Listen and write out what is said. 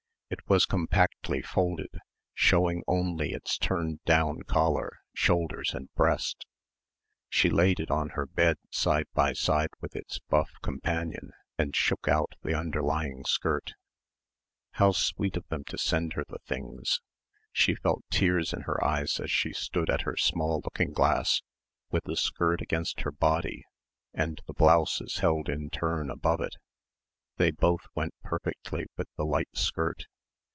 It was compactly folded, showing only its turned down collar, shoulders and breast. She laid it on her bed side by side with its buff companion and shook out the underlying skirt.... How sweet of them to send her the things ... she felt tears in her eyes as she stood at her small looking glass with the skirt against her body and the blouses held in turn above it ... they both went perfectly with the light skirt....